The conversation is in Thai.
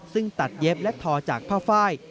ซึ่งตัดเย็บและทอจากผ้าไฟ